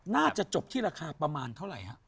น่าจะจบที่ราคาประมาณเท่าไหร่ฮะ